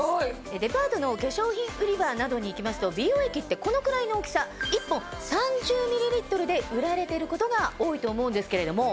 デパートの化粧品売り場などに行きますと美容液ってこのくらいの大きさ１本。で売られてることが多いと思うんですけれども。